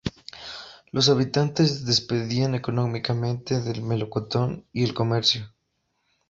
Los habitantes dependían económicamente del melocotón y el comercio.